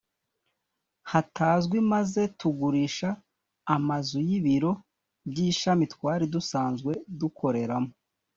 hatazwi maze tugurisha amazu y ibiro by ishami twari dusanzwe dukoreramo